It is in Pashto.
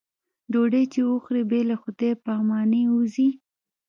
ډوډۍ چې وخوري بې له خدای په امانۍ وځي.